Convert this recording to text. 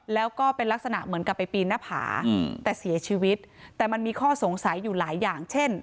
แล้วก็เป็นลักษณะเหมือนกับไปปีนหน้าผาแต่เสียชีวิตแต่มันมีข้อสงสัยอยู่หลายอย่างเช่น